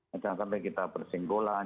jangan sampai kita bersinggolan